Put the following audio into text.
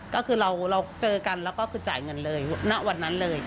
ก็คือเราเจอกันแล้วก็คือจ่ายเงินเลยณวันนั้นเลย